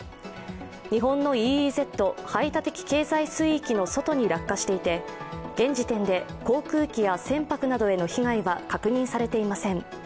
日本のＥＥＺ＝排他的経済水域の外に落下していて現時点で航空機や船舶などへの被害は確認されていません。